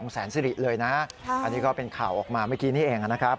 แสนสิริเลยนะอันนี้ก็เป็นข่าวออกมาเมื่อกี้นี่เองนะครับ